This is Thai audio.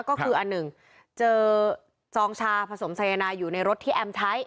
ก็คืออันหนึ่งเจอจองชาผสมสายนายอยู่ในรถที่แอมใช้